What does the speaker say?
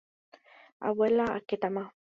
abuela okétama.